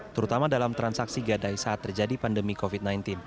terutama dalam transaksi gadai saat terjadi pandemi covid sembilan belas